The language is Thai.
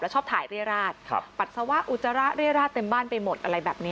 แล้วชอบถ่ายเรยราชปรัสวะฤราเรยราชเต็มบ้านไปหมดอะไรแบบนี้